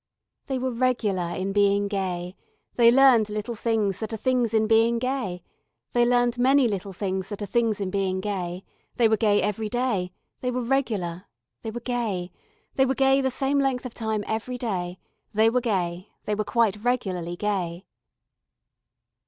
They were regular in being gay, they learned little things that are things in being gay, they learned many little things that are things in being gay, they were gay every day, they were regular, they were gay, they were gay the same length of time every day, they were gay, they were quite regularly gay.